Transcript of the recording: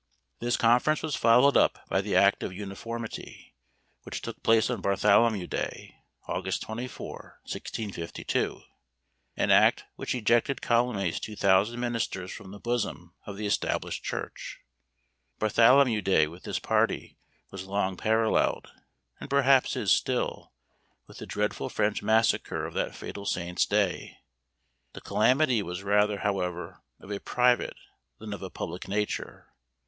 This conference was followed up by the Act of Uniformity, which took place on Bartholomew day, August 24, 1652: an act which ejected Calamy's two thousand ministers from the bosom of the established church. Bartholomew day with this party was long paralleled, and perhaps is still, with the dreadful French massacre of that fatal saint's day. The calamity was rather, however, of a private than of a public nature.